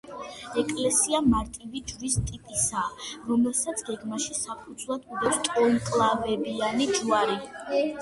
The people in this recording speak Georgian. ეკლესია მარტივი ჯვრის ტიპისაა, რომელსაც გეგმაში საფუძვლად უდევს ტოლმკლავებიანი ჯვარი.